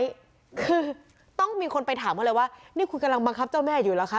คือต้องมีคนไปถามเขาเลยว่านี่คุณกำลังบังคับเจ้าแม่อยู่เหรอคะ